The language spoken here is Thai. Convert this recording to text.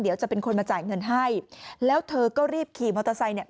เดี๋ยวจะเป็นคนมาจ่ายเงินให้แล้วเธอก็รีบขี่มอเตอร์ไซค์เนี่ย